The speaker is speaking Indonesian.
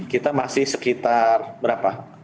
kita masih sekitar berapa